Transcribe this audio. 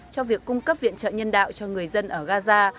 cho việc cung cấp viện trợ nhân đạo cho người dân ở gaza